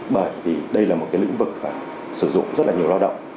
bởi vì đây là một lĩnh vực sử dụng rất nhiều lao động